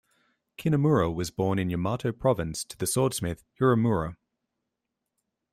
Kunimura was born in Yamato province to the swordsmith Hiromura.